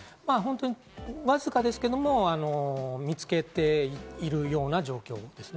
わずかですけれども見つけている状況です。